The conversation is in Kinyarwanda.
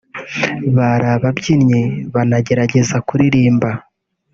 Bari ababyinnyi banageragezaga kuririmba